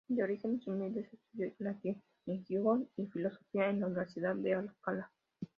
De orígenes humildes, estudió latín en Gijón y filosofía en la Universidad de Alcalá.